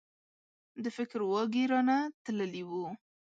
د فکر واګي رانه تللي وو.